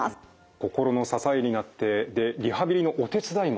心の支えになってでリハビリのお手伝いもしてくれると。